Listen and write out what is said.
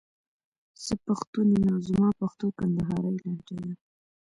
زه پښتون يم او زما پښتو کندهارۍ لهجه ده.